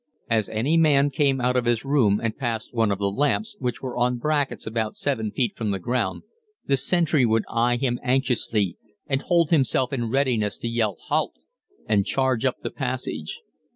As any man came out of his room and passed one of the lamps, which were on brackets about 7 feet from the ground, the sentry would eye him anxiously and hold himself in readiness to yell "Halt!" and charge up the passage.